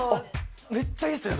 めっちゃいいっすね